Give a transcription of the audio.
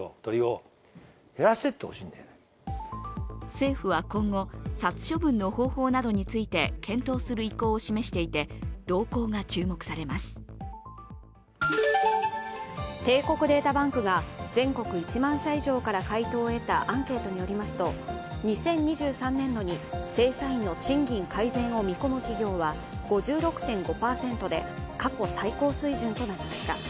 政府は今後、殺処分の方法などについて検討する意向を示していて帝国データバンクが全国１万社以上から回答を得たアンケートによりますと２０２３年度に、正社員の賃金改善を見込む企業は５６．５％で、過去最高水準となりました。